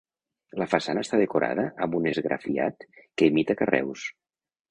La façana està decorada amb un esgrafiat que imita carreus.